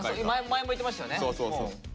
前も言ってましたよね。